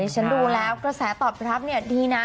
ฉันดูแล้วกระแสตอบรับเนี่ยดีนะ